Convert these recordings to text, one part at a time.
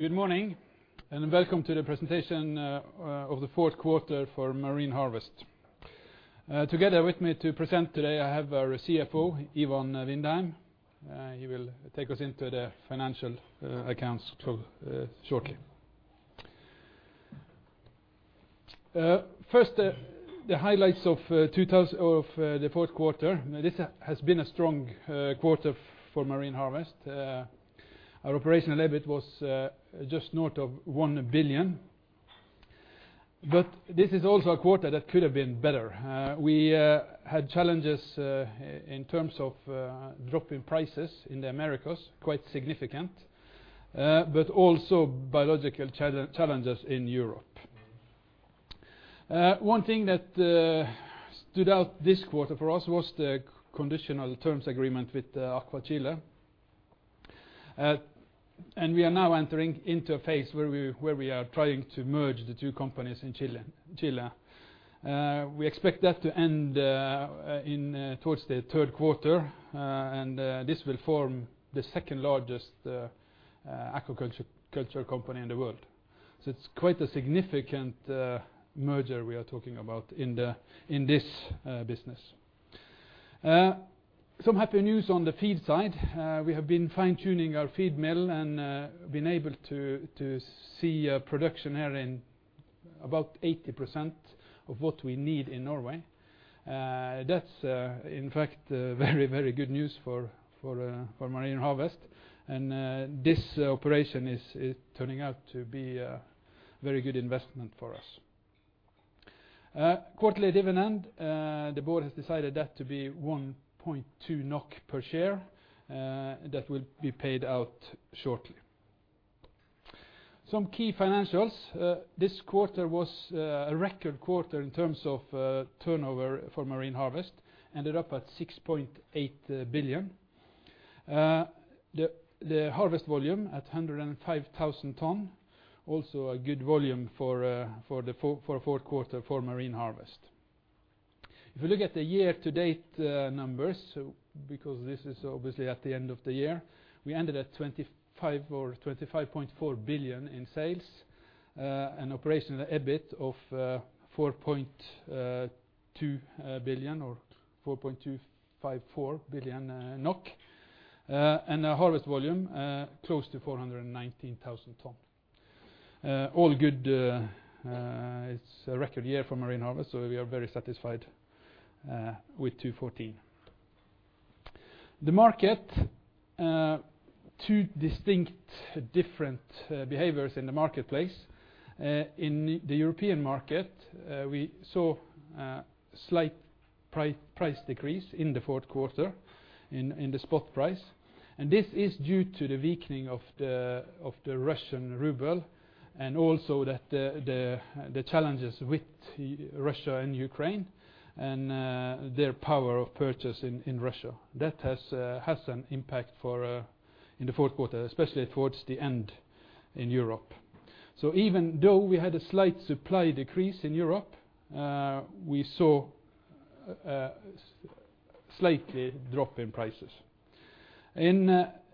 Good morning, and welcome to the presentation of the fourth quarter for Marine Harvest. Together with me to present today, I have our CFO, Ivan Vindheim. He will take us into the financial accounts shortly. First, the highlights of the fourth quarter. This has been a strong quarter for Marine Harvest. Our operational EBIT was just north of 1 billion. This is also a quarter that could have been better. We had challenges in terms of drop in prices in the Americas, quite significant, but also biological challenges in Europe. One thing that stood out this quarter for us was the conditional terms agreement with AquaChile. We are now entering into a phase where we are trying to merge the two companies in Chile. We expect that to end towards the third quarter, and this will form the second-largest aquaculture company in the world. It's quite a significant merger we are talking about in this business. Some happy news on the feed side. We have been fine-tuning our feed mill and been able to see a production here in about 80% of what we need in Norway. That's, in fact, very, very good news for Marine Harvest, and this operation is turning out to be a very good investment for us. Quarterly dividend, the board has decided that to be 1.2 NOK per share. That will be paid out shortly. Some key financials. This quarter was a record quarter in terms of turnover for Marine Harvest. Ended up at 6.8 billion. The harvest volume at 105,000 t, also a good volume for fourth quarter for Marine Harvest. If you look at the year-to-date numbers, because this is obviously at the end of the year, we ended at 25 billion or 25.4 billion in sales, an operational EBIT of 4.2 billion or 4.254 billion NOK, and a harvest volume close to 419,000 t. All good. It's a record year for Marine Harvest. We are very satisfied with 2014. The market, two distinct different behaviors in the marketplace. In the European market, we saw a slight price decrease in the fourth quarter in the spot price. This is due to the weakening of the Russian ruble and also the challenges with Russia and Ukraine and their power of purchase in Russia. That has an impact in the fourth quarter, especially towards the end in Europe. Even though we had a slight supply decrease in Europe, we saw a slight drop in prices. In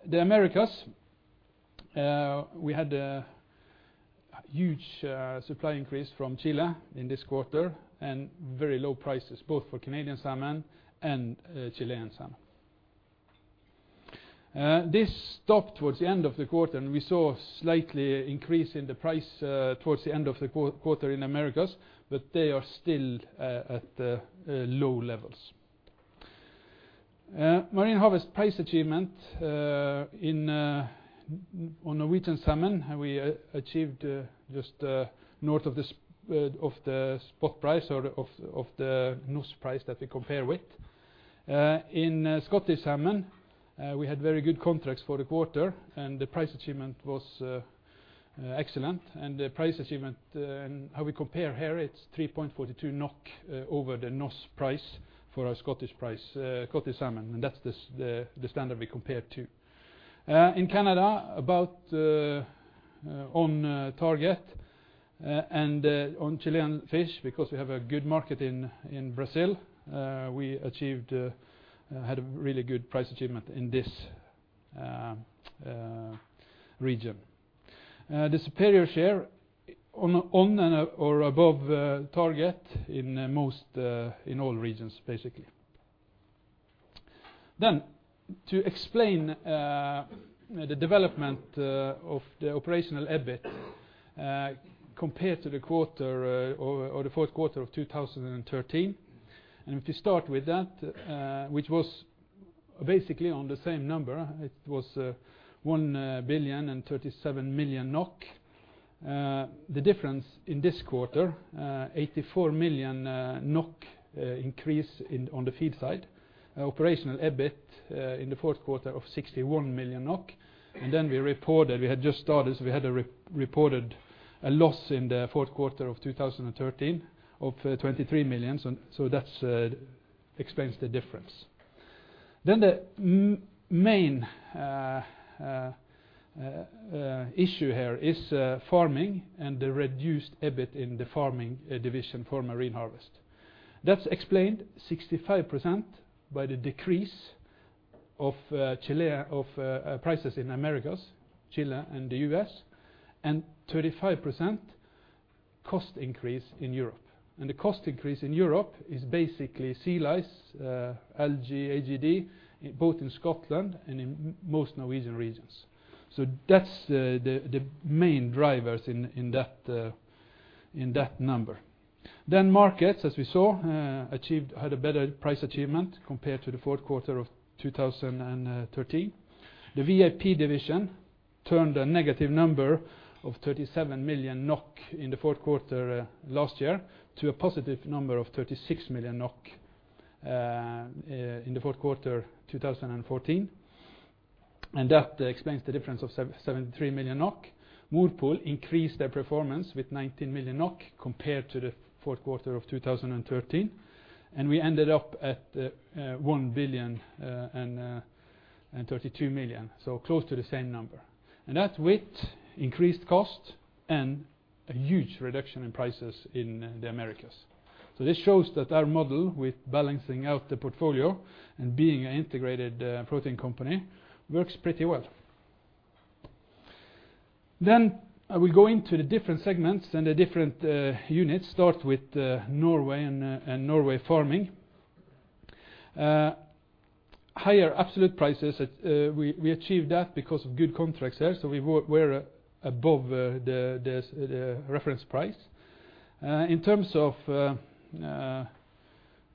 the Americas, we had a huge supply increase from Chile in this quarter and very low prices both for Canadian salmon and Chilean salmon. This stopped towards the end of the quarter. We saw slight increase in the price towards the end of the quarter in the Americas. They are still at low levels. Marine Harvest price achievement on Norwegian salmon, we achieved just north of the spot price or of the NOS price that we compare with. In Scottish salmon, we had very good contracts for the quarter. The price achievement was excellent. The price achievement and how we compare here, it's 3.42 NOK over the NOS price for our Scottish price, Scottish salmon. That's the standard we compare to. In Canada, about on target. On Chilean fish, because we have a good market in Brazil, we had a really good price achievement in this region. The superior share on and/or above target in all regions, basically. To explain the development of the operational EBIT compared to the fourth quarter of 2013. If you start with that, which was basically on the same number, it was 1,037 million NOK. The difference in this quarter, 84 million NOK increase on the feed side. Operational EBIT in the fourth quarter of 61 million NOK. We had just started, so we had reported a loss in the fourth quarter of 2013 of 23 million. That explains the difference. The main issue here is farming and the reduced EBIT in the farming division for Marine Harvest. That's explained 65% by the decrease of prices in Americas, Chile and the U.S., and 35% cost increase in Europe. The cost increase in Europe is basically sea lice, AGD, both in Scotland and in most Norwegian regions. That's the main drivers in that number. Morpol, as we saw, had a better price achievement compared to the fourth quarter of 2013. The VAP division turned a negative number of 37 million NOK in the fourth quarter last year to a positive number of 36 million NOK in the fourth quarter 2014, and that explains the difference of 73 million NOK. Morpol increased their performance with 19 million NOK compared to the fourth quarter of 2013, and we ended up at 1,032 million. Close to the same number. That with increased cost and a huge reduction in prices in the Americas. This shows that our model with balancing out the portfolio and being an integrated protein company works pretty well. I will go into the different segments and the different units. Start with Norway and Norway farming. Higher absolute prices, we achieved that because of good contracts there. We were above the reference price. In terms of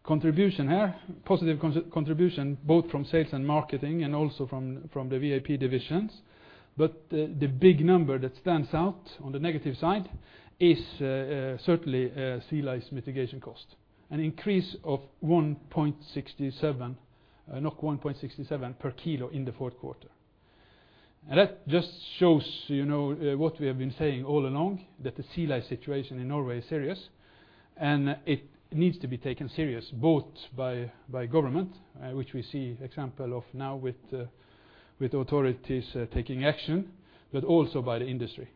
contribution here, positive contribution both from sales and marketing and also from the VAP divisions. The big number that stands out on the negative side is certainly sea lice mitigation cost. An increase of 1.67 per kilo in the fourth quarter. That just shows what we have been saying all along, that the sea lice situation in Norway is serious and it needs to be taken serious, both by government, which we see example of now with authorities taking action, but also by the industry.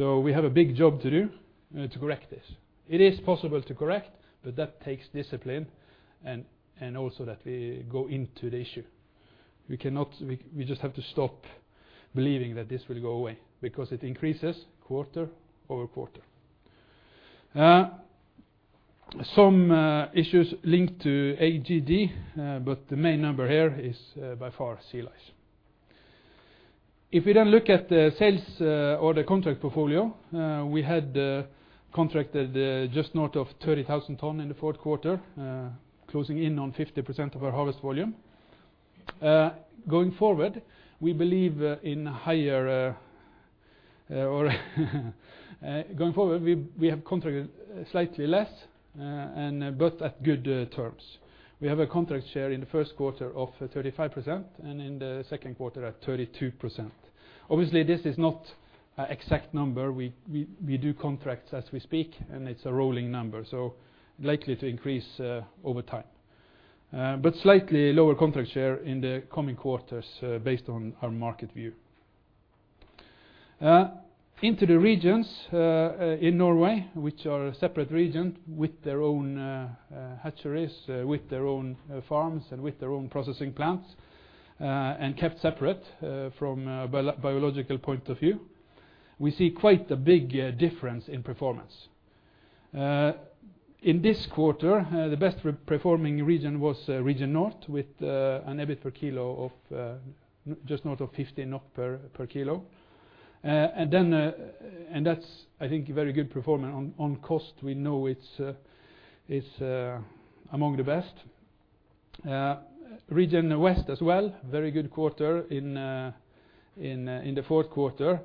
We have a big job to do to correct this. It is possible to correct, but that takes discipline and also that we go into the issue. We just have to stop believing that this will go away because it increases quarter-over-quarter. Some issues linked to AGD, but the main number here is by far sea lice. If we look at the sales or the contract portfolio, we had contracted just north of 30,000 t in the fourth quarter, closing in on 50% of our harvest volume. Going forward, we have contracted slightly less, but at good terms. We have a contract share in the first quarter of 35% and in the second quarter at 32%. Obviously, this is not an exact number. We do contracts as we speak, and it's a rolling number, so likely to increase over time. Slightly lower contract share in the coming quarters based on our market view. Into the regions in Norway, which are a separate region with their own hatcheries, with their own farms, and with their own processing plants, and kept separate from a biological point of view. We see quite a big difference in performance. In this quarter, the best-performing region was Region North with an EBIT per kilo of just north of 15 NOK per kilo. That's, I think, a very good performance. On cost, we know it's among the best. Region West as well, very good quarter in the fourth quarter.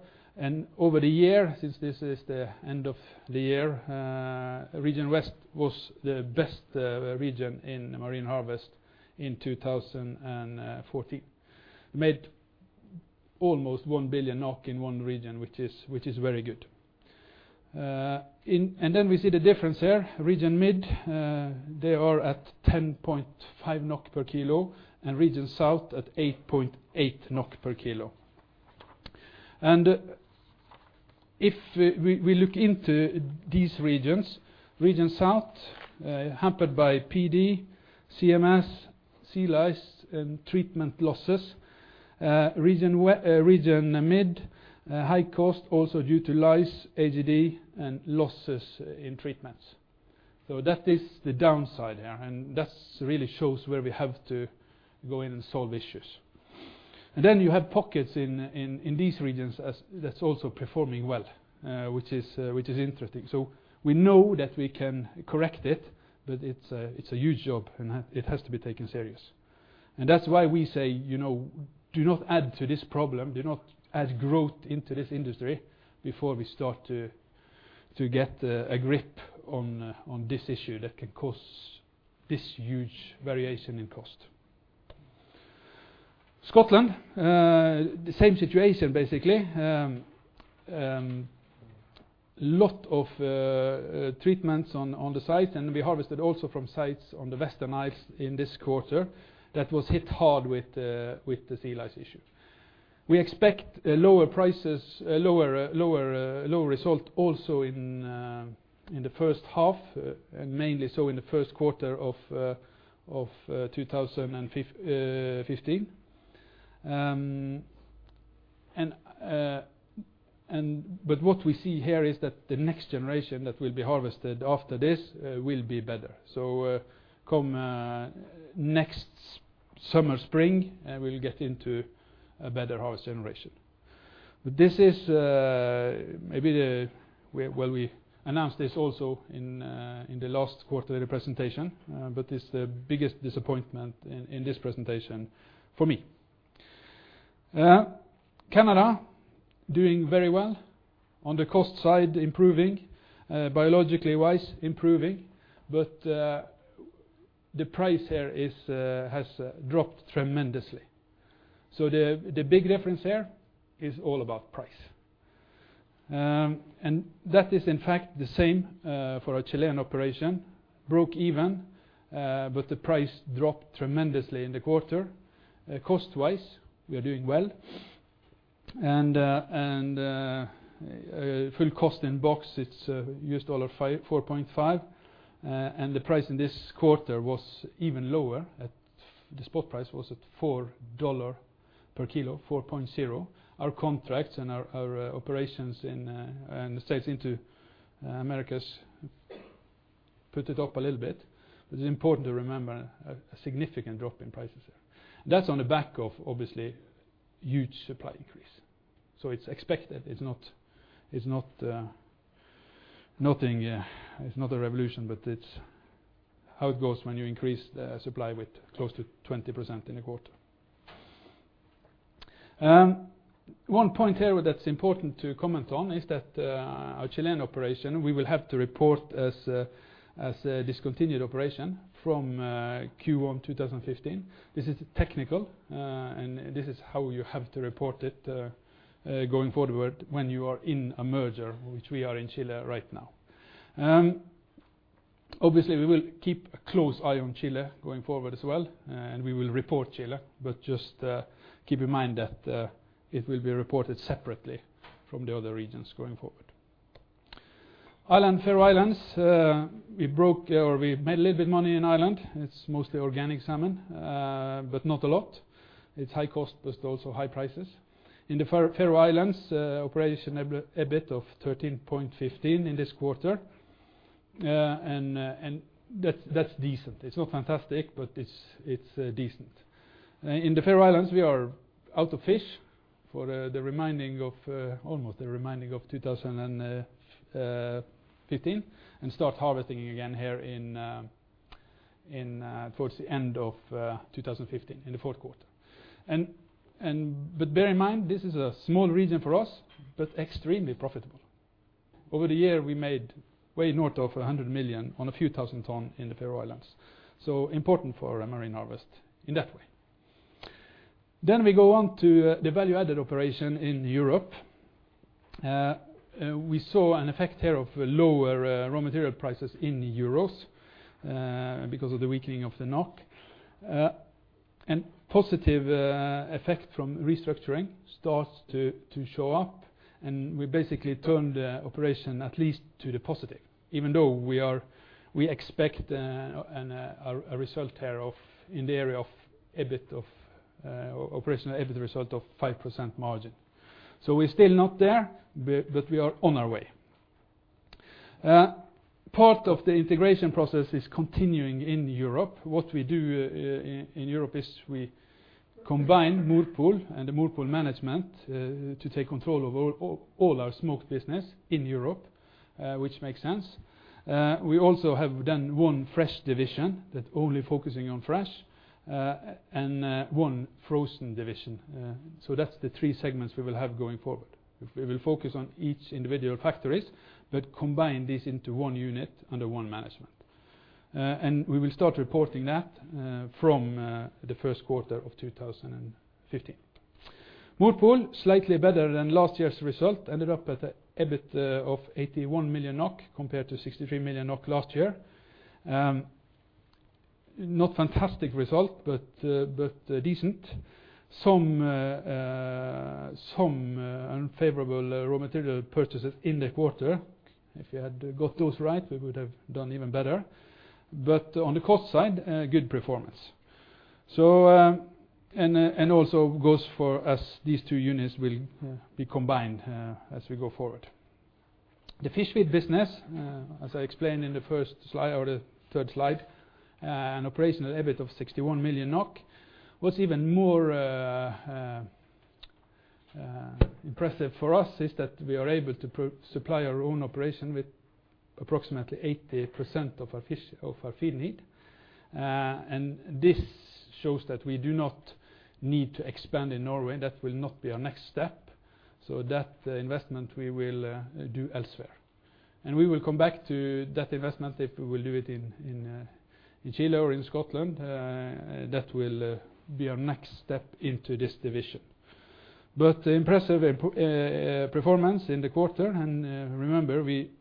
Over the year, since this is the end of the year, Region West was the best region in Marine Harvest in 2014. Made almost 1 billion NOK in one region, which is very good. We see the difference there. Region Mid, they are at 10.5 NOK per kg. Region South at 8.8 NOK per kg. If we look into these regions, Region South hampered by PD, CMS, sea lice, and treatment losses. Region Mid, high cost also due to lice, AGD, and losses in treatments. That is the downside here, and that really shows where we have to go in and solve issues. You have pockets in these regions that's also performing well, which is interesting. We know that we can correct it, but it's a huge job and it has to be taken serious. That's why we say, do not add to this problem. Do not add growth into this industry before we start to get a grip on this issue that can cause this huge variation in cost. Scotland, the same situation basically. Lot of treatments on the site, and we harvested also from sites on the Western Isles in this quarter that was hit hard with the sea lice issue. We expect lower result also in the first half, mainly so in the first quarter of 2015. What we see here is that the next generation that will be harvested after this will be better. Come next summer, spring, we'll get into a better harvest generation. We announced this also in the last quarterly presentation, but it's the biggest disappointment in this presentation for me. Canada doing very well. On the cost side, improving. Biologically wise, improving. The price here has dropped tremendously. The big difference here is all about price. That is in fact the same for our Chilean operation, broke even, but the price dropped tremendously in the quarter. Cost-wise, we are doing well. Full cost in box, it's US$4.5. The price in this quarter was even lower. The spot price was at US$4 per kilo, US$4.0. Our contracts and our operations in the U.S. into Americas put it up a little bit. It's important to remember a significant drop in prices there. That's on the back of, obviously, huge supply increase. It's expected. It's not a revolution, but it's how it goes when you increase the supply with close to 20% in a quarter. One point here that's important to comment on is that our Chilean operation, we will have to report as a discontinued operation from Q1 2015. This is technical, and this is how you have to report it going forward when you are in a merger, which we are in Chile right now. Obviously, we will keep a close eye on Chile going forward as well, and we will report Chile, but just keep in mind that it will be reported separately from the other regions going forward. Ireland, Faroe Islands, we made a little bit money in Ireland. It's mostly organic salmon, but not a lot. It's high cost, but also high prices. In the Faroe Islands, operation EBIT of 13.15 in this quarter. That's decent. It's not fantastic, but it's decent. In the Faroe Islands, we are out of fish for almost the remaining of 2015 and start harvesting again here in towards the end of 2015 in the fourth quarter. Bear in mind, this is a small region for us, but extremely profitable. Over the year, we made way north of 100 million on a few thousand ton in the Faroe Islands, so important for Marine Harvest in that way. We go on to the value-added operation in Europe. We saw an effect here of lower raw material prices in EUR because of the weakening of the NOK. Positive effect from restructuring starts to show up, and we basically turn the operation at least to the positive, even though we expect a result here in the area of operational EBIT result of 5% margin. We're still not there, but we are on our way. Part of the integration process is continuing in Europe. What we do in Europe is we combine Morpol and the Morpol management to take control of all our smoke business in Europe which makes sense. We also have one fresh division that only focusing on fresh and one frozen division. That's the three segments we will have going forward. We will focus on each individual factories, but combine these into one unit under one management. We will start reporting that from the first quarter of 2015.Morpol slightly better than last year's result, ended up at an EBIT of 81 million NOK compared to 63 million NOK last year. Not fantastic result, but decent. Some unfavorable raw material purchases in the quarter. If we had got those right, we would have done even better. On the cost side, a good performance. Also goes for as these two units will be combined as we go forward. The fish feed business, as I explained in the first slide or the third slide, an operational EBIT of 61 million NOK. What's even more impressive for us is that we are able to supply our own operation with approximately 80% of our feed need. This shows that we do not need to expand in Norway. That will not be our next step. That investment we will do elsewhere. We will come back to that investment if we will do it in Chile or in Scotland. That will be our next step into this division. Impressive performance in the quarter. Remember, we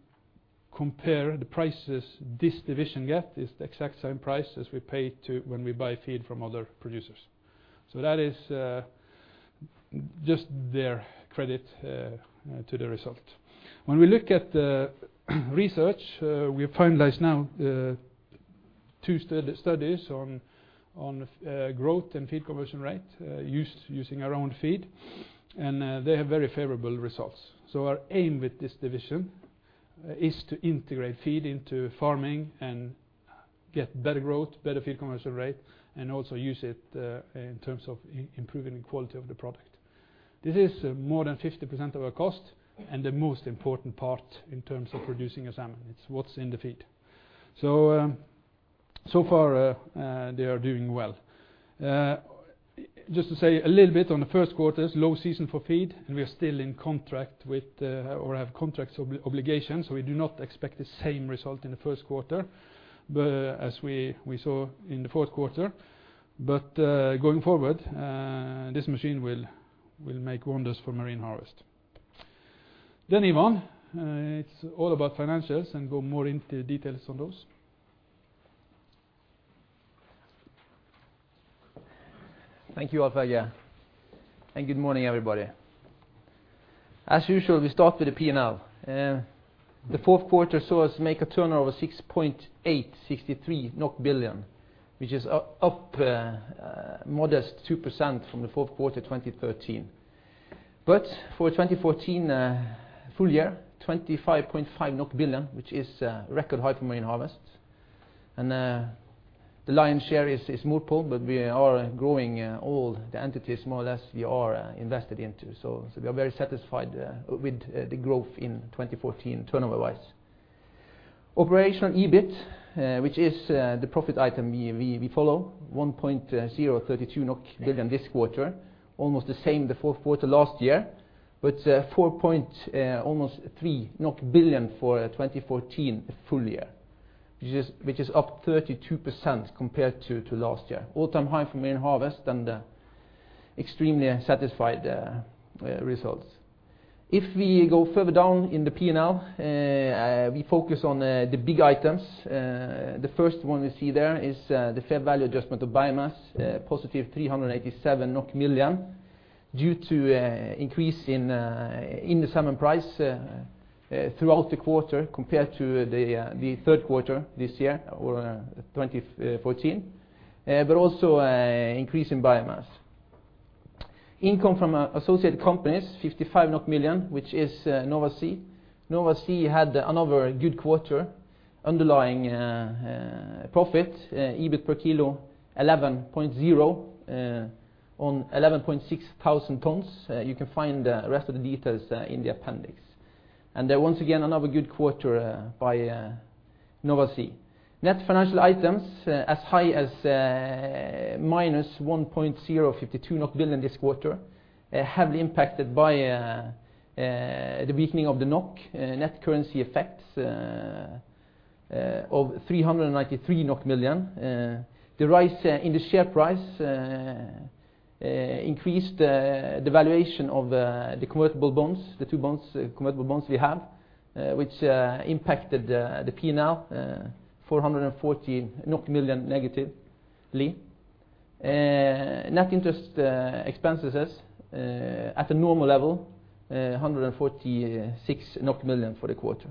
compare the prices this division get is the exact same price as we pay when we buy feed from other producers. That is just their credit to the result. When we look at the research, we have finalized now two studies on growth and feed conversion rate using our own feed, and they have very favorable results. Our aim with this division is to integrate feed into farming and get better growth, better feed conversion rate, and also use it in terms of improving the quality of the product. This is more than 50% of our cost and the most important part in terms of producing a salmon, it's what's in the feed. So far, they are doing well. Just to say a little bit on the first quarter, it's low season for feed, and we are still in contract with or have contract obligations, so we do not expect the same result in the first quarter as we saw in the fourth quarter. Going forward, this machine will make wonders for Marine Harvest. Ivan. It's all about financials and go more into details on those. Thank you, Alf, and good morning, everybody. As usual, we start with the P&L. The fourth quarter saw us make a turnover of 6.863 billion NOK, which is up a modest 2% from the fourth quarter 2013. For 2014 full-year, 25.5 billion, which is a record high for Marine Harvest. The lion's share is Morpol, but we are growing all the entities more or less we are invested into. We are very satisfied with the growth in 2014 turnover-wise. Operational EBIT, which is the profit item we follow, 1.032 billion NOK this quarter, almost the same the fourth quarter last year, but four point almost three billion for 2014 full-year, which is up 32% compared to last year. All-time high for Marine Harvest and extremely satisfied results. If we go further down in the P&L, we focus on the big items. The first one we see there is the fair value adjustment of biomass, +387 million NOK due to increase in the salmon price throughout the quarter compared to the third quarter this year or 2014, but also increase in biomass. Income from associated companies, 55 million, which is Nova Sea. Nova Sea had another good quarter. Underlying profit, EBIT per kilo, 11.0 on 11,600 t. You can find the rest of the details in the appendix. Once again, another good quarter by Nova Sea. Net financial items as high as -1.052 billion NOK this quarter, heavily impacted by the weakening of the NOK. Net currency effects of 393 million NOK. The rise in the share price increased the valuation of the convertible bonds, the two convertible bonds we have, which impacted the P&L 440 million negatively. Net interest expenses at a normal level, 146 million NOK for the quarter.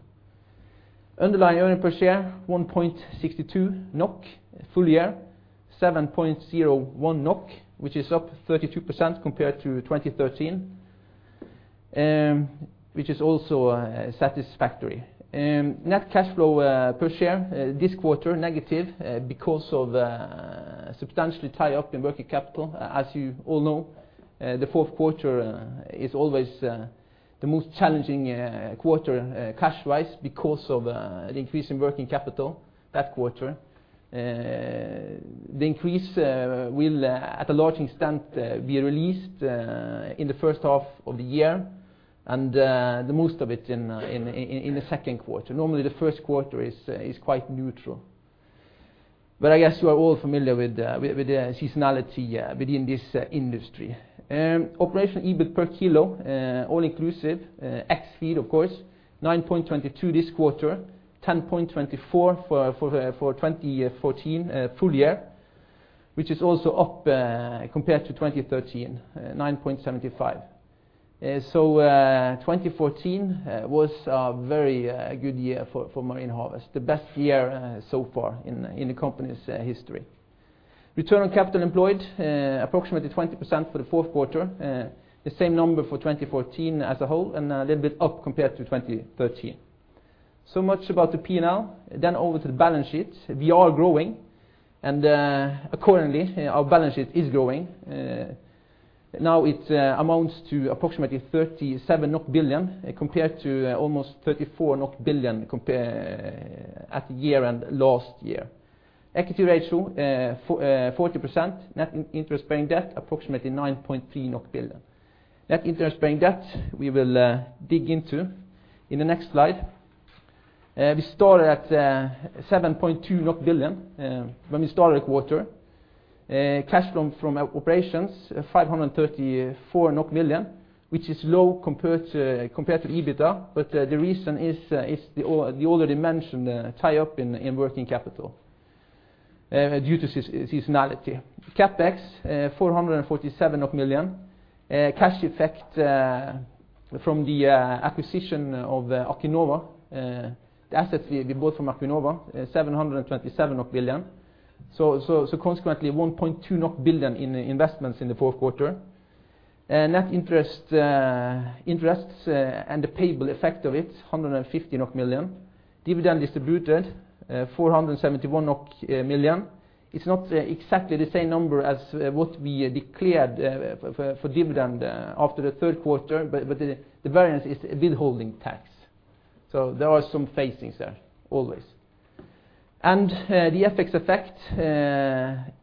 Underlying earnings per share, 1.62 NOK full-year, 7.01 NOK, which is up 32% compared to 2013, which is also satisfactory. Net cash flow per share this quarter negative because of substantially tie-up in working capital. As you all know, the fourth quarter is always the most challenging quarter cash-wise because of the increase in working capital that quarter. The increase will, at a large extent, be released in the 1st half of the year and the most of it in the second quarter. Normally, the 1st quarter is quite neutral. I guess you are all familiar with the seasonality within this industry. Operational EBIT per kilo, all-inclusive, ex-feed of course, 9.22 this quarter, 10.24 for 2014 full-year, which is also up compared to 2013, 9.75. 2014 was a very good year for Marine Harvest, the best year so far in the company's history. Return on capital employed approximately 20% for the fourth quarter, the same number for 2014 as a whole and a little bit up compared to 2013. Much about the P&L. Over to the balance sheet. We are growing and accordingly, our balance sheet is growing. Now it amounts to approximately 37 billion NOK compared to almost 34 billion NOK at year-end last year. Equity ratio, 40%. Net interest-bearing debt, approximately 9.3 billion. Net interest-bearing debt we will dig into in the next slide. We started at 7.2 billion NOK when we started the quarter. Cash from operations 534 million NOK, which is low compared to EBITDA, but the reason is the already mentioned tie-up in working capital due to seasonality. CapEx, 447 million. Cash effect from the acquisition of the Acuinova, the assets we bought from Acuinova, 727 million. Consequently, 1.2 billion in investments in the fourth quarter. Net interest and the payable effect of it, 150 million NOK. Dividend distributed, 471 million NOK. It's not exactly the same number as what we declared for dividend after the third quarter. The variance is a withholding tax. There are some phasings there, always. The FX effect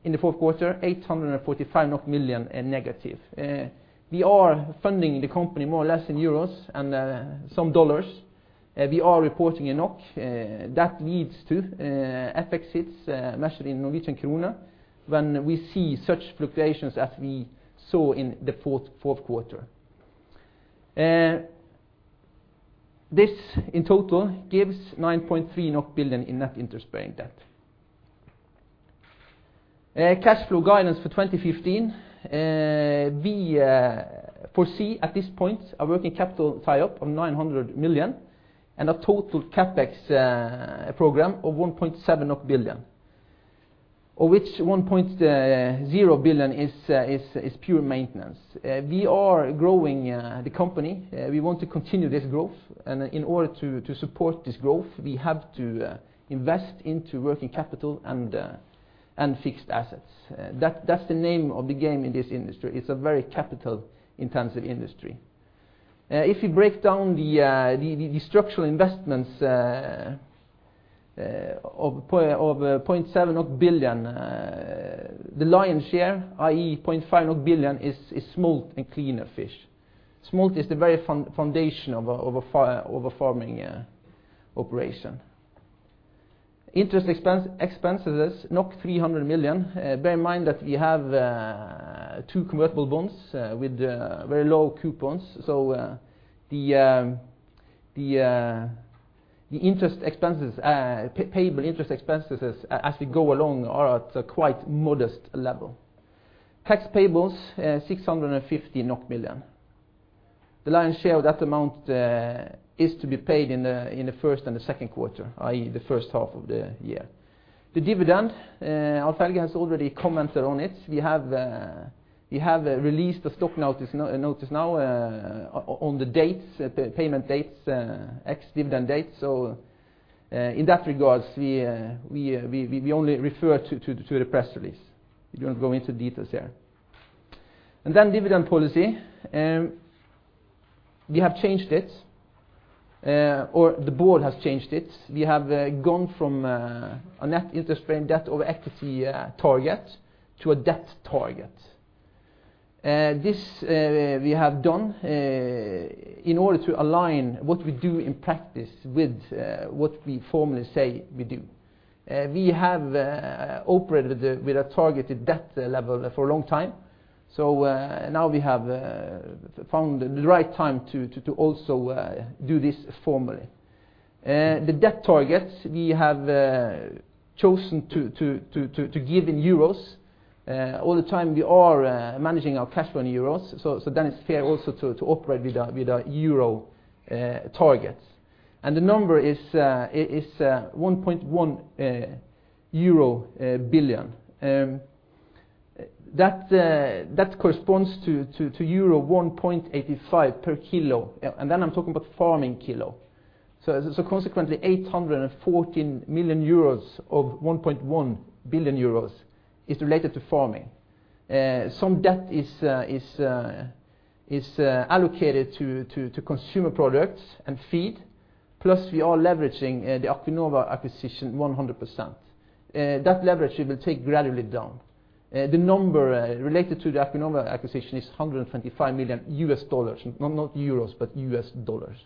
in the fourth quarter, 845 million negative. We are funding the company more or less in euros and some dollars. We are reporting in NOK, that leads to FX hits, especially in Norwegian kroner when we see such fluctuations as we saw in the fourth quarter. This in total gives 9.3 billion NOK in net interest-bearing debt. Cash flow guidance for 2015. We foresee at this point a working capital tie-up of 900 million and a total CapEx program of 1.7 billion. Of which 1.0 billion is pure maintenance. We are growing the company. We want to continue this growth. In order to support this growth, we have to invest into working capital and fixed assets. That's the name of the game in this industry. It's a very capital-intensive industry. If you break down the structural investments of 0.7 billion, the lion's share, i.e., 0.5 billion is smolt and cleaner fish. Smolt is the very foundation of a farming operation. Interest expenses, 300 million. Bear in mind that we have two convertible bonds with very low coupons. The payable interest expenses as we go along are at a quite modest level. Tax payables, 650 million NOK. The lion's share of that amount is to be paid in the first and the second quarter, i.e., the first half of the year. The dividend, Alf-Helge has already commented on it. We have released a stock notice now on the payment dates, ex-dividend dates. In that regard, we only refer to the press release. We don't go into details here. Dividend policy. We have changed it, or the board has changed it. We have gone from a net interest-bearing debt over equity target to a debt target. This we have done in order to align what we do in practice with what we formally say we do. We have operated with a targeted debt level for a long time, now we have found the right time to also do this formally. The debt targets we have chosen to give in euros. All the time we are managing our cash flow in euros, it's fair also to operate with a euro target. The number is 1.1 billion euro. That corresponds to euro 1.85 per kilo, and then I'm talking about farming kilo. Consequently, 814 million euros of 1.1 billion euros is related to farming. Some debt is allocated to consumer products and feed. Plus, we are leveraging the Acuinova acquisition 100%. That leverage we will take gradually down. The number related to the Acuinova acquisition is $125 million. Not euros, but U.S. dollars.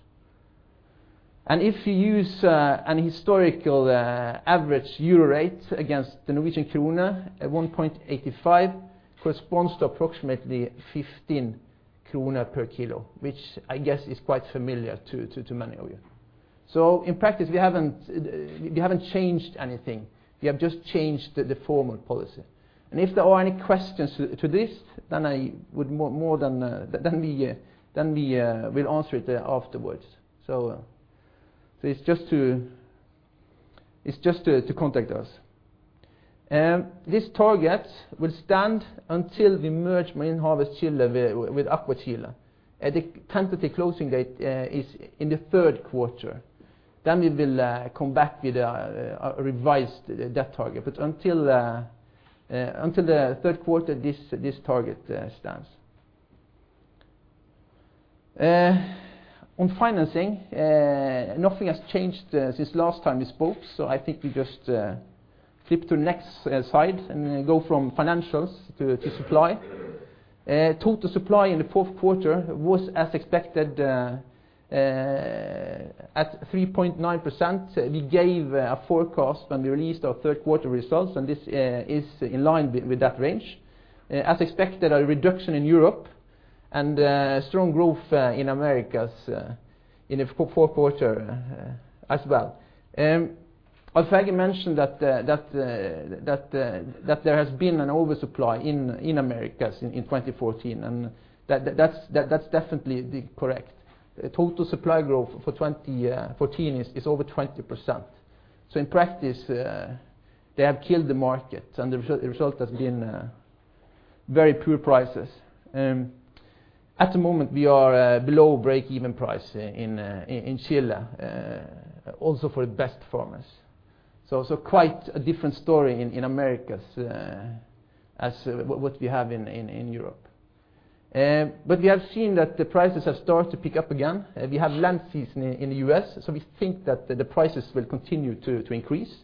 If you use an historical average EUR rate against the Norwegian kroner at 1.85, corresponds to approximately 15 krone per kilo, which I guess is quite familiar to many of you. In practice, we haven't changed anything. We have just changed the formal policy. If there are any questions to this, then we'll answer it afterwards. It's just to contact us. This target will stand until we merge Marine Harvest Chile with AquaChile. The tentative closing date is in the third quarter. We will come back with a revised debt target. Until the third quarter, this target stands. On financing, nothing has changed since last time we spoke. I think we just flip to the next slide and go from financials to supply. Total supply in the fourth quarter was as expected at 3.9%. We gave a forecast when we released our third quarter results, this is in line with that range. As expected, a reduction in Europe and strong growth in Americas in the fourth quarter as well. Alf-Helge mentioned that there has been an oversupply in Americas in 2014, that's definitely correct. Total supply growth for 2014 is over 20%. In practice, they have killed the market, the result has been very poor prices. At the moment, we are below break-even price in Chile, also for the best farmers. Quite a different story in Americas as what we have in Europe. We have seen that the prices have started to pick up again. We have lent season in the U.S. We think that the prices will continue to increase.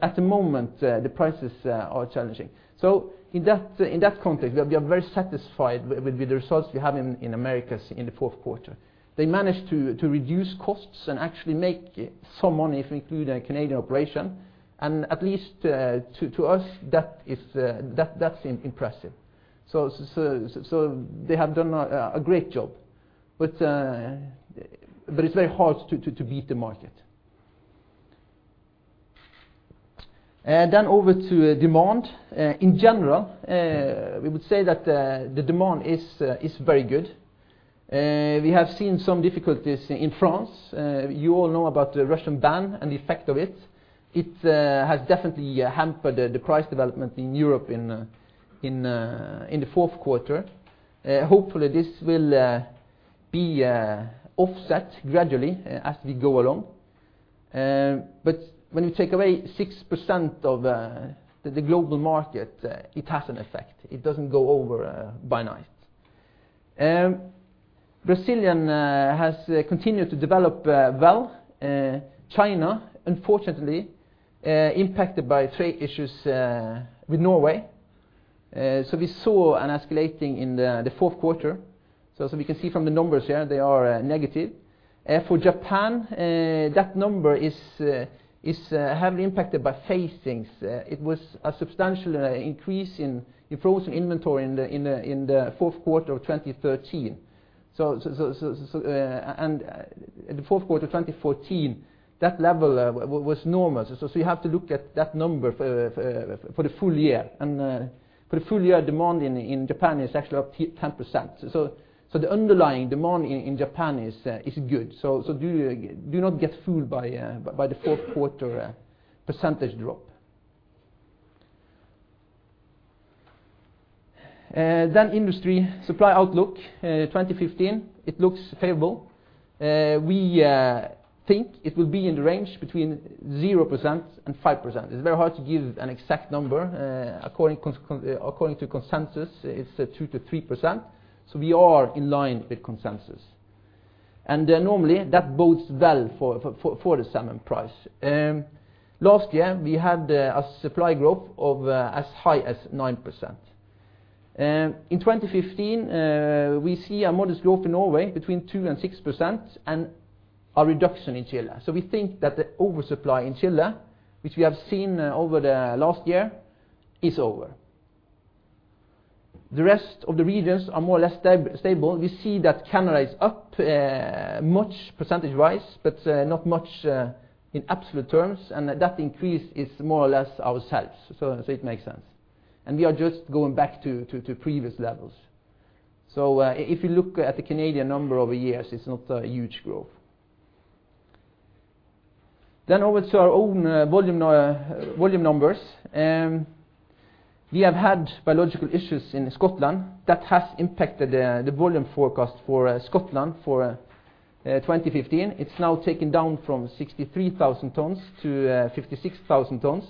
At the moment, the prices are challenging. In that context, we are very satisfied with the results we have in Americas in the fourth quarter. They managed to reduce costs and actually make some money if we include a Canadian operation and at least to us that's impressive. They have done a great job. It's very hard to beat the market. Over to demand. In general, we would say that the demand is very good. We have seen some difficulties in France. You all know about the Russian ban and the effect of it. It has definitely hampered the price development in Europe in the fourth quarter. Hopefully, this will be offset gradually as we go along. When you take away 6% of the global market, it has an effect. It doesn't go over by night. Brazil has continued to develop well. China, unfortunately, impacted by trade issues with Norway. We saw an escalating in the fourth quarter. As we can see from the numbers here, they are negative. For Japan, that number is heavily impacted by phasings. It was a substantial increase in frozen inventory in the fourth quarter of 2013. In the fourth quarter of 2014, that level was enormous. You have to look at that number for the full-year. For the full-year, demand in Japan is actually up 10%. The underlying demand in Japan is good. Do not get fooled by the fourth quarter percentage drop. Industry supply outlook 2015. It looks favorable. We think it will be in the range between 0%-5%. It's very hard to give an exact number. According to consensus, it's 2%- 3%. We are in line with consensus. Normally, that bodes well for the salmon price. Last year, we had a supply growth of as high as 9%. In 2015, we see a modest growth in Norway between 2%-6% and a reduction in Chile. We think that the oversupply in Chile, which we have seen over the last year, is over. The rest of the regions are more or less stable. We see that Canada is up much percentage-wise, but not much in absolute terms, and that increase is more or less ourselves. It makes sense. We are just going back to previous levels. If you look at the Canadian number over years, it's not a huge growth. Over to our own volume numbers. We have had biological issues in Scotland that has impacted the volume forecast for Scotland for 2015. It's now taken down from 63,000 t - 56,000 t.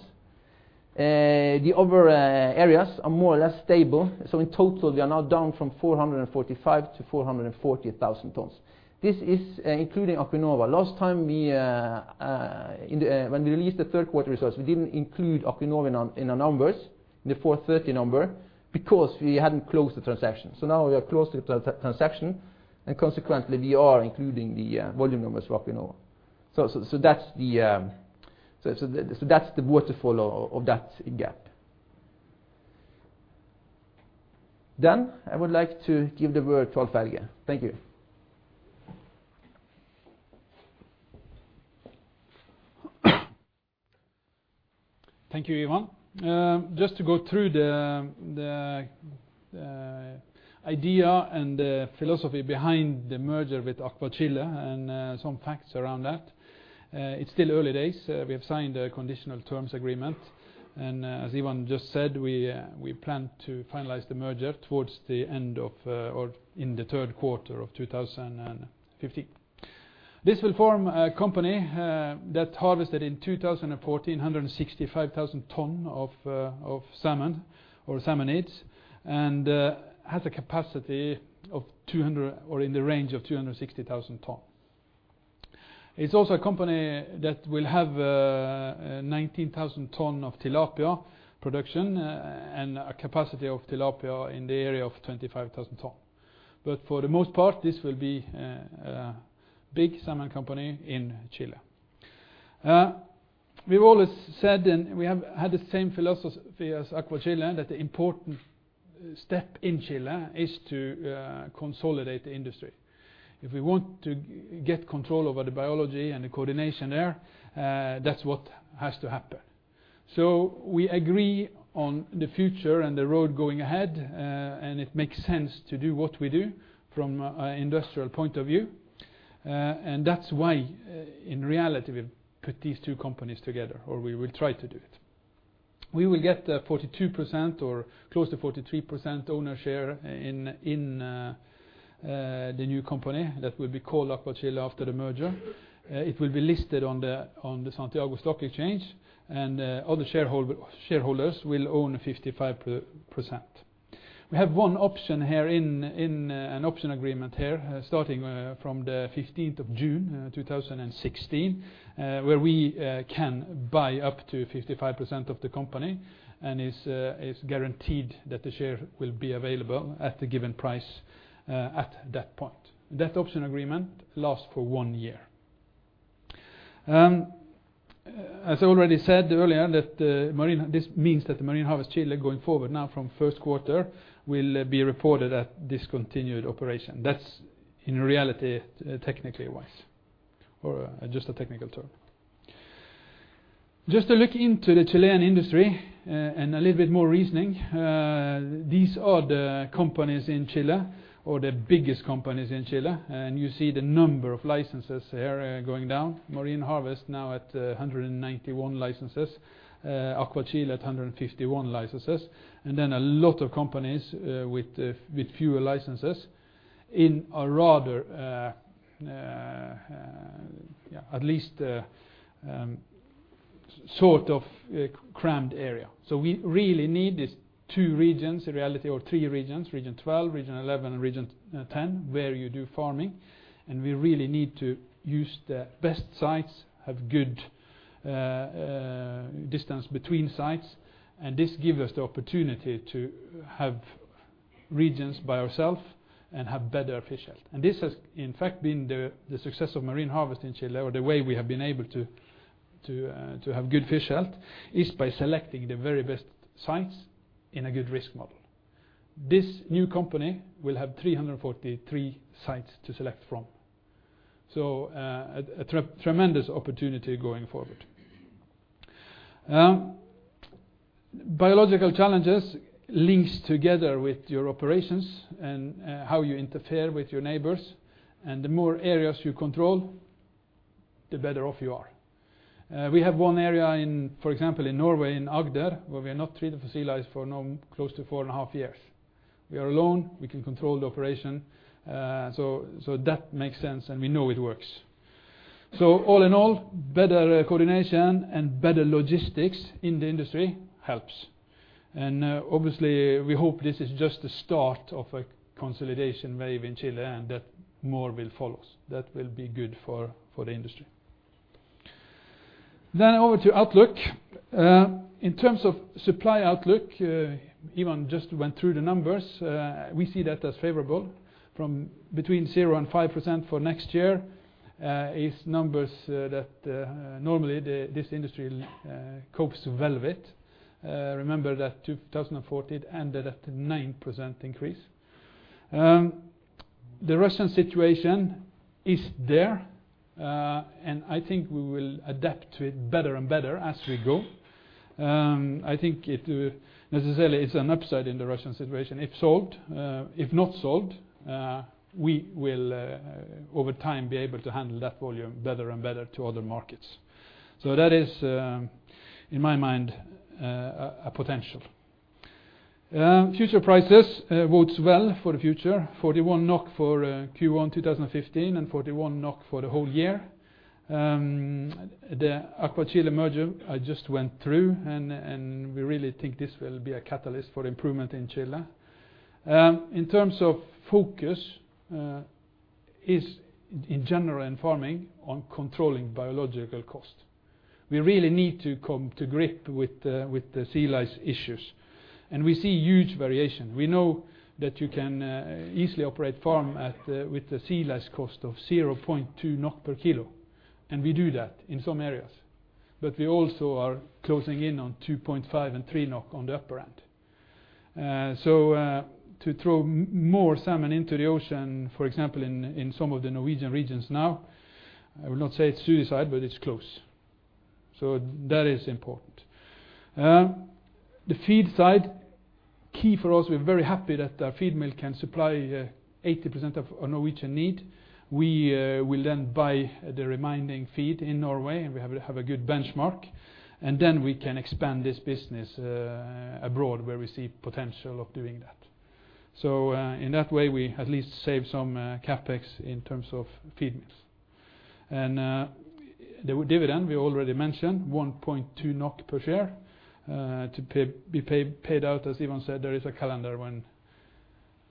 The other areas are more or less stable. In total, we are now down from 445 - 440,000 t. This is including Acuinova. Last time when we released the third quarter results, we didn't include Acuinova in our numbers, the 430 number, because we hadn't closed the transaction. Now we have closed the transaction, and consequently, we are including the volume numbers of Acuinova. That's the waterfall of that gap. I would like to give the word to Alf-Helge. Thank you. Thank you, Ivan. Just to go through the idea and the philosophy behind the merger with AquaChile and some facts around that. It's still early days. We have signed a conditional terms agreement, and as Ivan just said, we plan to finalize the merger towards the end of or in the third quarter of 2015. This will form a company that harvested in 2014, 165,000 t of salmon or salmonids and has a capacity in the range of 260,000 t. It's also a company that will have 19,000 t of tilapia production and a capacity of tilapia in the area of 25,000 t. For the most part, this will be a big salmon company in Chile. We've always said, and we have had the same philosophy as AquaChile, that the important step in Chile is to consolidate the industry. If we want to get control over the biology and the coordination there, that's what has to happen. We agree on the future and the road going ahead, and it makes sense to do what we do from an industrial point of view. That's why, in reality, we've put these two companies together, or we will try to do it. We will get the 42% or close to 43% owner share in the new company that will be called AquaChile after the merger. It will be listed on the Santiago Stock Exchange, and other shareholders will own 55%. We have one option here in an option agreement here, starting from the 15th of June, 2016, where we can buy up to 55% of the company and it's guaranteed that the share will be available at the given price at that point. That option agreement lasts for one year. As I already said earlier, this means that Marine Harvest Chile going forward now from 1st quarter will be reported a discontinued operation. That's in reality, technically wise, or just a technical term. Just to look into the Chilean industry and a little bit more reasoning. These are the companies in Chile or the biggest companies in Chile, and you see the number of licenses here going down. Marine Harvest now at 191 licenses, AquaChile at 151 licenses. Then a lot of companies with fewer licenses in a rather at least sort of crammed area. We really need these two regions in reality, or three regions, Region 12, Region 11, and Region 10, where you do farming. We really need to use the best sites, have good distance between sites, and this gives us the opportunity to have regions by ourself and have better fish health. This has in fact been the success of Marine Harvest in Chile or the way we have been able to have good fish health is by selecting the very best sites in a good risk model. This new company will have 343 sites to select from. A tremendous opportunity going forward. Biological challenges links together with your operations and how you interfere with your neighbors. The more areas you control, the better off you are. We have one area, for example, in Norway, in Agder, where we have not treated for sea lice for close to four and a half years. We are alone. We can control the operation. That makes sense, and we know it works. All in all, better coordination and better logistics in the industry helps. Obviously, we hope this is just the start of a consolidation wave in Chile and that more will follow. That will be good for the industry. Over to outlook. In terms of supply outlook, Ivan just went through the numbers. We see that as favorable from between 0% and 5% for next year is numbers that normally this industry copes well with. Remember that 2014 ended at a 9% increase. The Russian situation is there. I think we will adapt to it better and better as we go. I think it necessarily is an upside in the Russian situation if sold. If not sold, we will, over time, be able to handle that volume better and better to other markets. That is, in my mind, a potential. Future prices bodes well for the future. 41 NOK for Q1 2015 and 41 NOK for the whole year. The AquaChile merger I just went through, and we really think this will be a catalyst for improvement in Chile. In terms of focus, is in general and farming on controlling biological cost. We really need to come to grip with the sea lice issues. We see huge variation. We know that you can easily operate farm with the sea lice cost of 0.2 NOK per kilo, and we do that in some areas. We also are closing in on 2.5 and 3 NOK on the upper end. To throw more salmon into the ocean, for example, in some of the Norwegian regions now, I would not say it's suicide, but it's close. That is important. The feed side, key for us, we're very happy that feed mill can supply 80% of Norwegian need. We will buy the remaining feed in Norway. We have a good benchmark. We can expand this business abroad where we see potential of doing that. In that way, we at least save some CapEx in terms of feed mills. The dividend we already mentioned, 1.2 NOK per share to be paid out. As Ivan said, there is a calendar when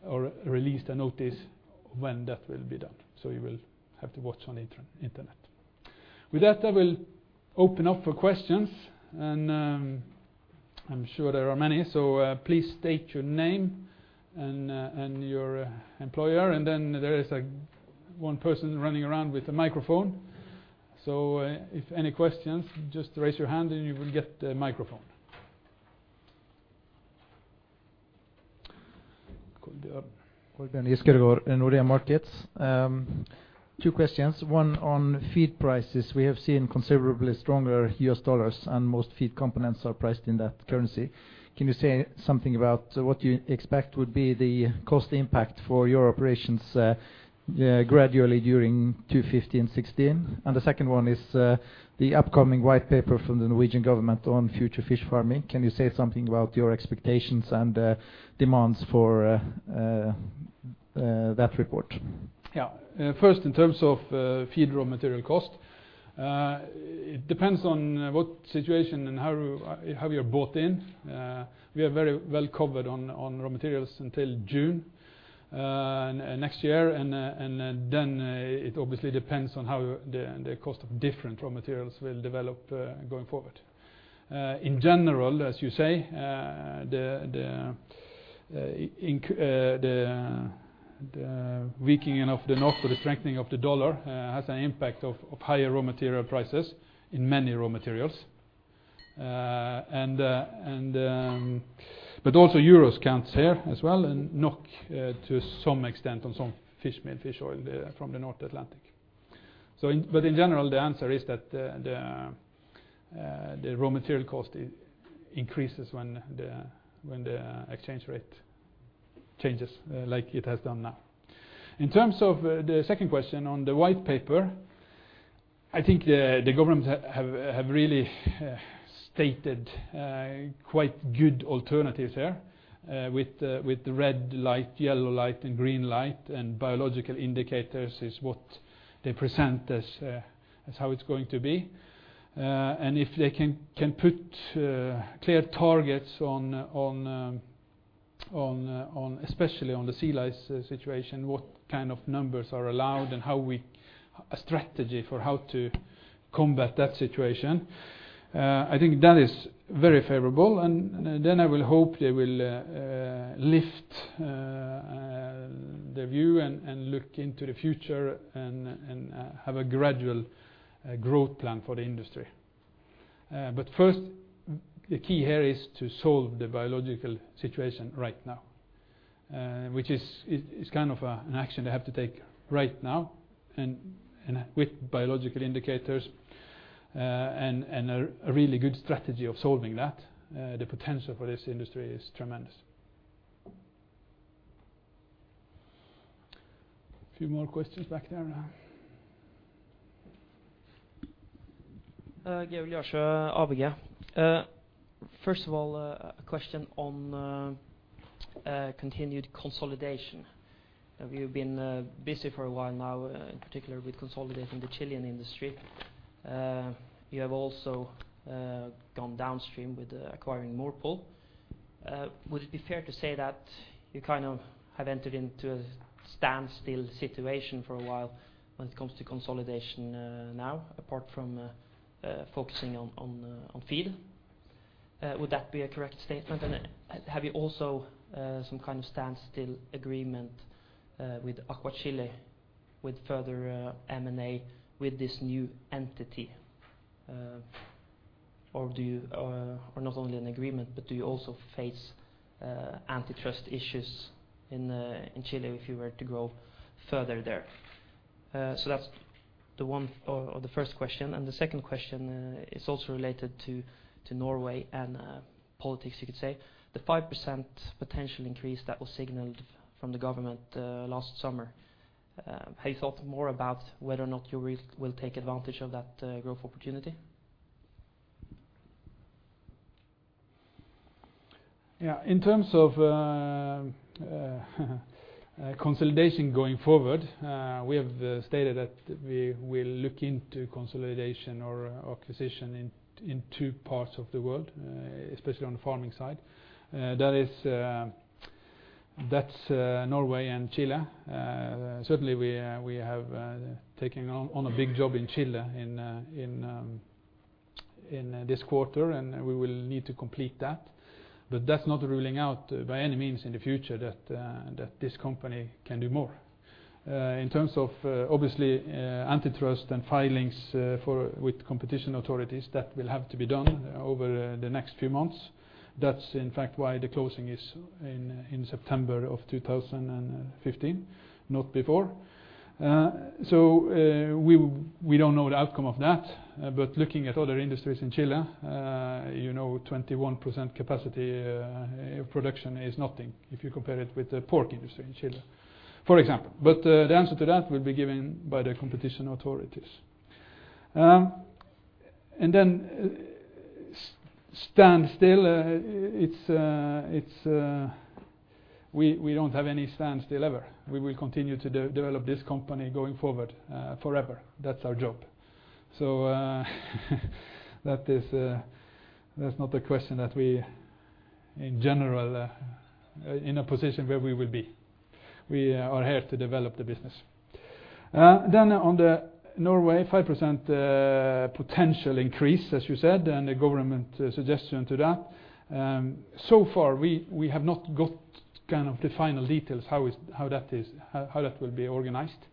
or released a notice when that will be done. You will have to watch on the internet. With that, I will open up for questions. I'm sure there are many, please state your name and your employer. There is one person running around with a microphone. If any questions, just raise your hand and you will get the microphone. Kolbjørn Giskeødegård from Nordea Markets. Two questions, one on feed prices. We have seen considerably stronger U.S. dollars and most feed components are priced in that currency. Can you say something about what you expect would be the cost impact for your operations gradually during 2015 and 2016? The second one is the upcoming white paper from the Norwegian government on future fish farming. Can you say something about your expectations and demands for that report? Yeah. First, in terms of feed raw material cost, it depends on what situation and how you have bought in. We are very well covered on raw materials until June next year. It obviously depends on how the cost of different raw materials will develop going forward. In general, as you say, the weakening of the NOK or the strengthening of the dollar has an impact of higher raw material prices in many raw materials. Also euros counts here as well, and NOK to some extent on some fish meal, fish oil from the North Atlantic. In general, the answer is that the raw material cost increases when the exchange rate changes like it has done now. In terms of the second question on the white paper, I think the government have really stated quite good alternatives here with red light, yellow light, and green light. Biological indicators is what they present as how it's going to be. If they can put clear targets especially on the sea lice situation, what kind of numbers are allowed and a strategy for how to combat that situation, I think that is very favorable. I will hope they will lift the view and look into the future and have a gradual growth plan for the industry. First, the key here is to solve the biological situation right now, which is an action they have to take right now and with biological indicators and a really good strategy of solving that. The potential for this industry is tremendous. Few more questions back there now. Georg Liasjø, ABG. First of all, a question on continued consolidation. You've been busy for a while now, particularly consolidating the Chilean industry. You have also gone downstream with acquiring Morpol. Would it be fair to say that you have entered into a standstill situation for a while when it comes to consolidation now, apart from focusing on feed? Would that be a correct statement? Have you also some kind of standstill agreement with AquaChile with further M&A with this new entity? Not only an agreement, but do you also face antitrust issues in Chile if you were to grow further there? That's the first question, and the second question is also related to Norway and politics you could say. The 5% potential increase that was signaled from the government last summer. Have you thought more about whether or not you will take advantage of that growth opportunity? Yeah, in terms of consolidation going forward, we have stated that we will look into consolidation or acquisition in two parts of the world, especially on the farming side. That's Norway and Chile. Certainly, we have taken on a big job in Chile in this quarter, and we will need to complete that. That's not ruling out by any means in the future that this company can do more. In terms of obviously antitrust and filings with competition authorities, that will have to be done over the next few months. That's in fact why the closing is in September of 2015, not before. We don't know the outcome of that. Looking at other industries in Chile, you know 21% capacity production is nothing if you compare it with the pork industry in Chile, for example. The answer to that will be given by the competition authorities. Standstill, we don't have any standstill ever. We will continue to develop this company going forward forever. That's our job. That's not a question that we, in general, are in a position where we will be. We are here to develop the business. On Norway, 5% potential increase, as you said, and the government suggestion to that. Far, we have not got the final details how that will be organized.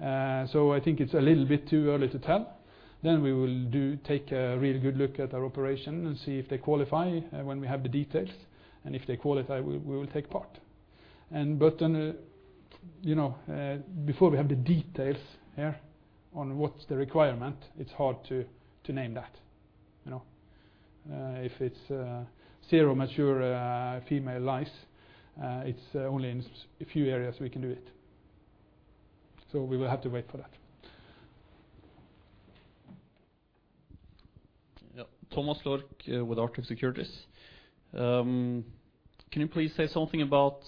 I think it's a little bit too early to tell. We will take a really good look at our operation and see if they qualify when we have the details. If they qualify, we will take part. Before we have the details here on what's the requirement, it's hard to name that. If it's 0 mature female lice, it's only in a few areas we can do it. We will have to wait for that. Thomas Lorck with Arctic Securities. Can you please say something about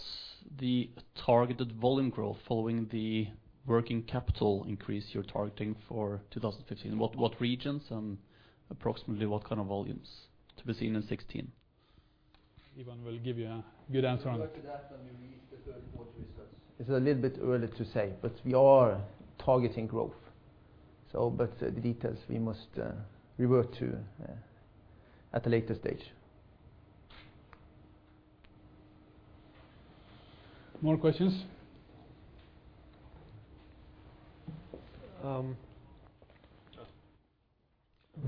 the targeted volume growth following the working capital increase you're targeting for 2015? What regions and approximately what kind of volumes to be seen in 2016? Ivan will give you a good answer on that. You will get to that when we release the third quarter results. It's a little bit early to say, but we are targeting growth. The details we must revert to at a later stage. More questions?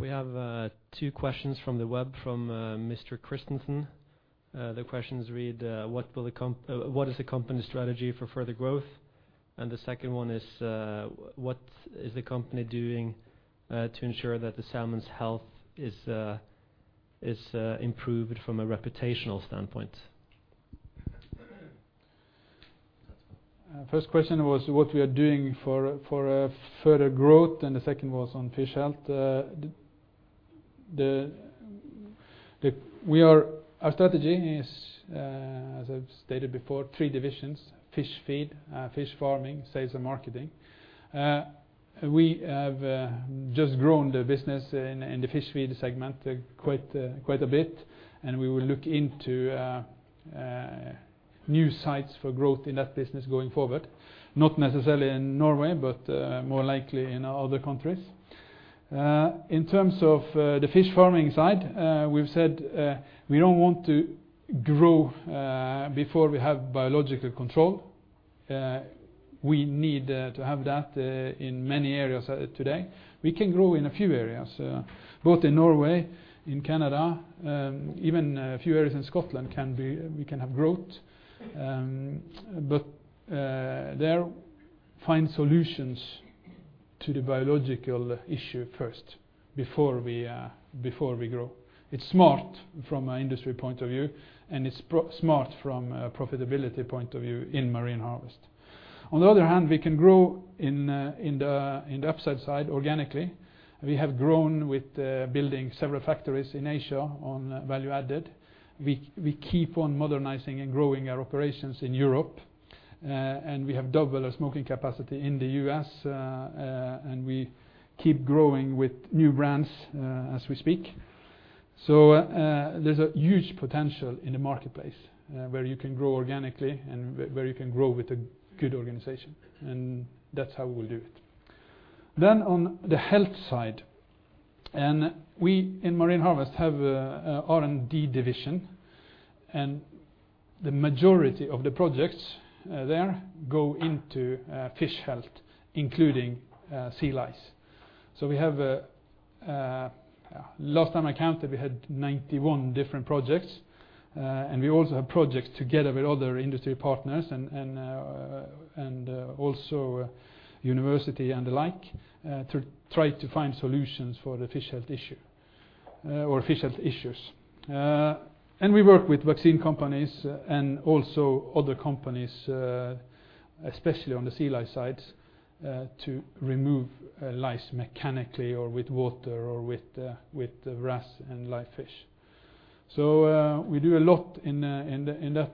We have two questions from the web from Mr. Christensen. The questions read, "What is the company strategy for further growth?" The second one is, "What is the company doing to ensure that the salmon's health is improved from a reputational standpoint? First question was what we are doing for further growth, and the second was on fish health. Our strategy is, as I've stated before, three divisions: fish feed, fish farming, sales and marketing. We have just grown the business in the fish feed segment quite a bit, and we will look into new sites for growth in that business going forward. Not necessarily in Norway but more likely in other countries. In terms of the fish farming side, we've said we don't want to grow before we have biological control. We need to have that in many areas today. We can grow in a few areas both in Norway, in Canada, even a few areas in Scotland we can have growth. There find solutions to the biological issue first before we grow. It's smart from an industry point of view, and it's smart from a profitability point of view in Marine Harvest. On the other hand, we can grow in the upside side organically. We have grown with building several factories in Asia on value added. We keep on modernizing and growing our operations in Europe. We have doubled our smoking capacity in the U.S. and we keep growing with new brands as we speak. There's a huge potential in the marketplace where you can grow organically and where you can grow with a good organization. That's how we'll do it. On the health side, we in Marine Harvest have a R&D division. The majority of the projects there go into fish health including sea lice. Last time I counted, we had 91 different projects. We also have projects together with other industry partners and also university and the like to try to find solutions for the fish health issue or fish health issues. We work with vaccine companies and also other companies especially on the sea lice side to remove lice mechanically or with water or with wrasse and live fish. We do a lot in that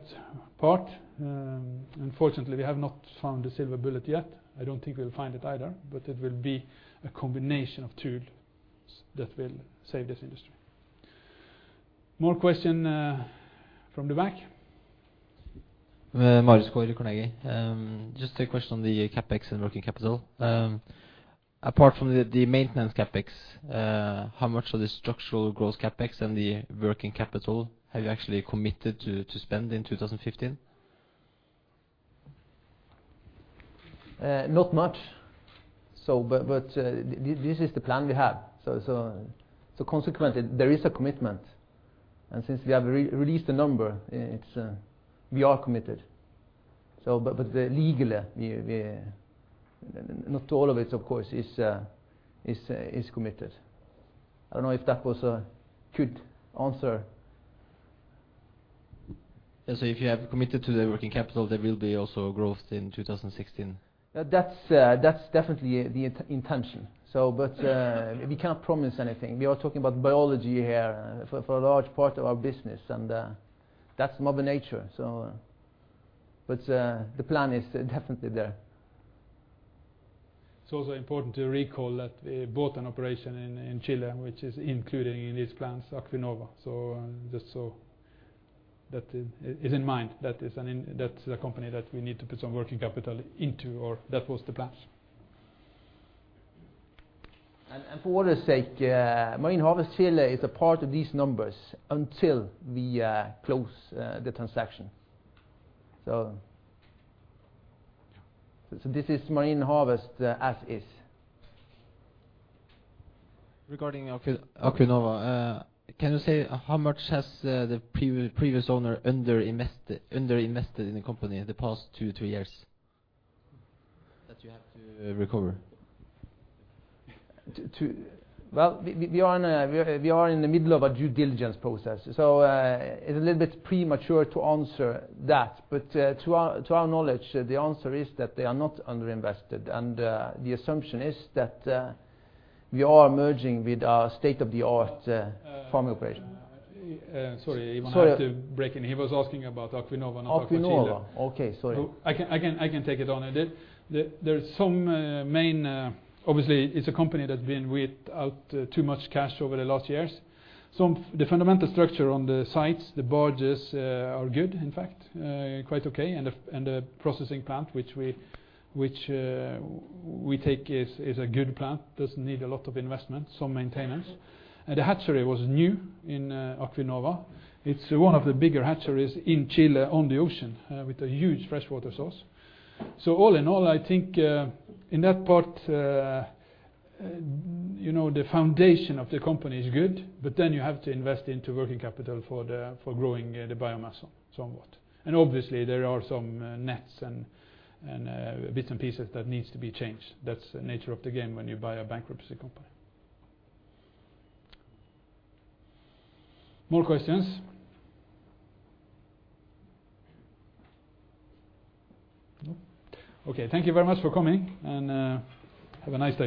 part. Unfortunately, we have not found the silver bullet yet. I don't think we'll find it either, but it will be a combination of tools that will save this industry. More question from the back? Marius Gaard, Carnegie. Just a question on the CapEx and working capital. Apart from the maintenance CapEx, how much of the structural growth CapEx and the working capital have you actually committed to spend in 2015? Not much. This is the plan we have. Consequently, there is a commitment. Since we have released the number, we are committed. Legally, not all of it, of course, is committed. I don't know if that was a good answer. If you have committed to the working capital, there will be also growth in 2016? That's definitely the intention. We can't promise anything. We are talking about biology here for a large part of our business, and that's Mother Nature. The plan is definitely there. It's also important to recall that we bought an operation in Chile which is included in these plans, Acuinova. That is in mind. That's a company that we need to put some working capital into, or that was the plan. For what it's sake, Marine Harvest Chile is a part of these numbers until we close the transaction. This is Marine Harvest as is. Regarding Acuinova, can you say how much has the previous owner underinvested in the company in the past two, three years that you have to recover? We are in the middle of a due diligence process, so it's a little bit premature to answer that. To our knowledge, the answer is that they are not underinvested, and the assumption is that we are merging with a state-of-the-art farm operation. Sorry, I have to break in. He was asking about Acuinova. Acuinova. Okay, sorry. I can take it on. Obviously, it's a company that's been without too much cash over the last years. The fundamental structure on the sites, the barges are good, in fact quite okay, and the processing plant, which we take is a good plant, doesn't need a lot of investment, some maintenance. The hatchery was new in Acuinova. It's one of the bigger hatcheries in Chile, on the ocean, with a huge freshwater source. All in all, I think in that part, the foundation of the company is good, but then you have to invest into working capital for growing the biomass somewhat. Obviously, there are some nets and bits and pieces that needs to be changed. That's the nature of the game when you buy a bankruptcy company. More questions? No. Okay. Thank you very much for coming, and have a nice day